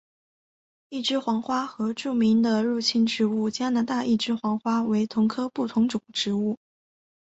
一枝黄花和著名的入侵物种加拿大一枝黄花为同科不同种植物。